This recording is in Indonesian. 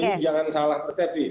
jadi jangan salah peset sih